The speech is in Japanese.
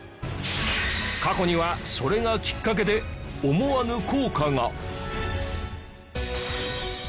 過去にはそれがきっかけで思わぬ効果が。